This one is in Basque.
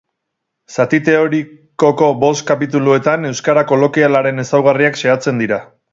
Zati teorikoko bost kapituluetan, euskara kolokialaren ezaugarriak xehatzen dira.